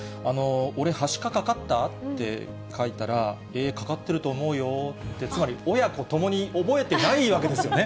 俺、はしかかかった？って書いたら、えー、かかってると思うよって、つまり、親子ともに覚えてないわけですよね。